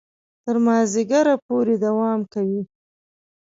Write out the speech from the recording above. تر مازیګره پورې دوام کوي.